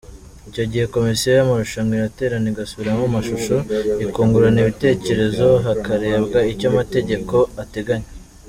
Icyo gihe komisiyo y’amarushanwa iraterana igasubiramo amashusho, ikungurana ibitekerezo hakarebwa icyo amategeko ateganya.